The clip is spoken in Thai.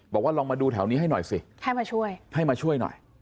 บอกว่าลองมาดูแถวนี้ให้หน่อยสิให้มาช่วยให้มาช่วยหน่อย